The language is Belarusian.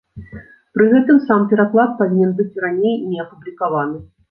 Пры гэтым сам пераклад павінен быць раней не апублікаваны.